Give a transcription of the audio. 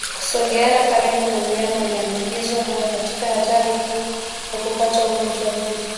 kusogeana karibu na mnyama aliyeambukizwa huwa katika hatari kuu ya kuupata ugonjwa huu